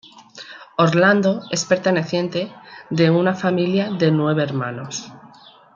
Orlando es perteneciente de una familia de nueve hermano.